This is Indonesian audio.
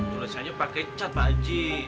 tulisannya pakai cat pak haji